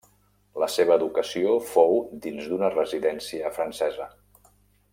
La seva educació fou dins d'una residència francesa.